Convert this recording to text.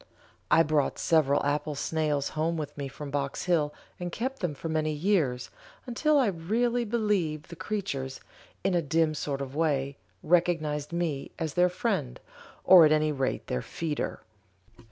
I brought several apple snails home with me from Box Hill and kept them for many years, until I really believe the creatures, in a dim sort of way, recognized me as their friend, or at any rate their feeder.